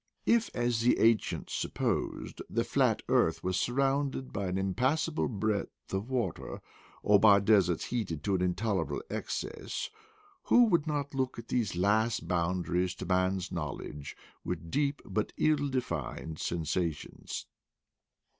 If, as the ancients 201 202 IDLE DATS IN PATAGONIA supposed, the flat earth was surrounded by an im passable breadth of water, or by deserts heated to an intolerable excess, who would not look at these last boundaries to man's knowledge with deep but ill defined sensations?"